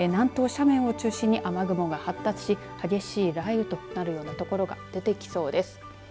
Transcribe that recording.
南東斜面を中心に雨雲が発達し激しい雷雨となるような所が出てきそうです。